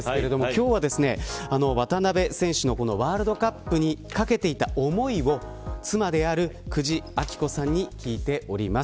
今日は、渡邊選手のワールドカップにかけていた思いを妻である久慈暁子さんに聞いております。